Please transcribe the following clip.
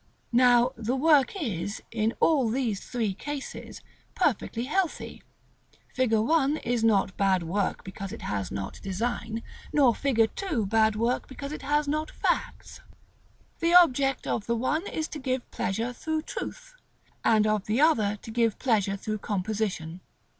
Now the work is, in all these three cases, perfectly healthy. Fig. 1 is not bad work because it has not design, nor Fig. 2 bad work because it has not facts. The object of the one is to give pleasure through truth, and of the other to give pleasure through composition.